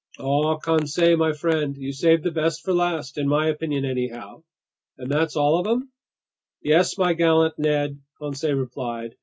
"Ah, Conseil my friend, you saved the best for last, in my opinion anyhow! And that's all of 'em?" "Yes, my gallant Ned," Conseil replied.